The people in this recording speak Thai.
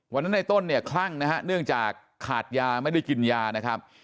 ในต้นเนี่ยคลั่งนะฮะเนื่องจากขาดยาไม่ได้กินยานะครับ